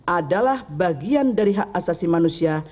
adalah bagian dari hak asasi manusia